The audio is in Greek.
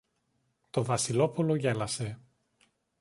Το Βασιλόπουλο γέλασε.